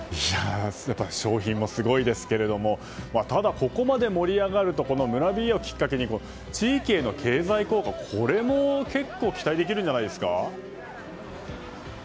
賞品もすごいですがただ、ここまで盛り上がると村ＢＡをきっかけに地域への経済効果、これも結構期待できるんじゃないですか。